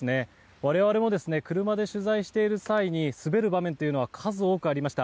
我々も車で取材している際に滑る場面というのは数多くありました。